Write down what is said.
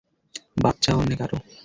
বাচ্চা অন্যে কারো।